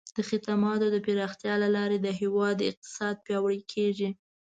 د خدماتو د پراختیا له لارې د هیواد اقتصاد پیاوړی کیږي.